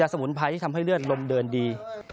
สมุนไพรที่ทำให้เลือดลมเดินดี